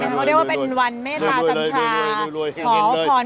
เราก็ได้ว่าเป็นวันเมตตาจรรพา